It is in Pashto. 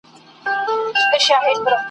ویل یې زندګي خو بس په هجر تمامېږي !.